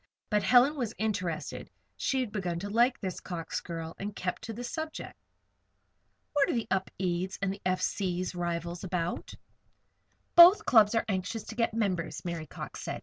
But Helen was interested; she had begun to like this Cox girl, and kept to the subject. "What are the Upedes and the F. C.'s rivals about?" "Both clubs are anxious to get members," Mary Cox said.